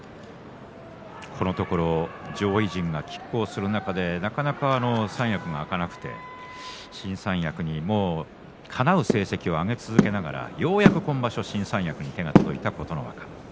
このところ上位陣がきっ抗する中でなかなか三役が空かなくて新三役にかなう成績を挙げ続けながらようやく今場所、新三役に手が届きました琴ノ若。